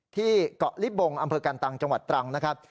ที่เกาะลิบงอำเภอกันตังจังหวัดตรังนะครับ